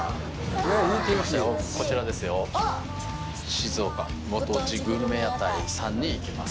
静岡ご当地グルメ屋台さんに行きます。